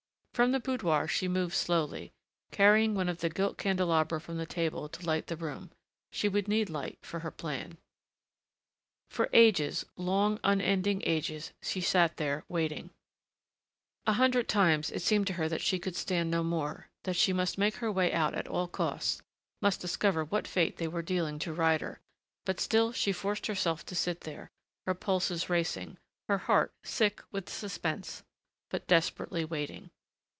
From the boudoir she moved slowly, carrying one of the gilt candelabra from the table to light the room. She would need light for her plan.... For ages, long, unending ages, she sat there, waiting.... A hundred times it seemed to her that she could stand no more, that she must make her way out at all costs, must discover what fate they were dealing to Ryder, but still she forced herself to sit there, her pulses racing, her heart sick with suspense, but desperately waiting....